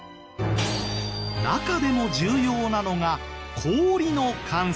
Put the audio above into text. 中でも重要なのが氷の観測。